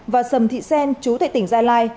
và sầm thị xen chú thị tỉnh gia lai